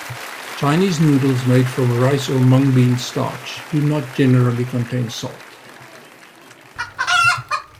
Chinese noodles made from rice or mung bean starch do not generally contain salt.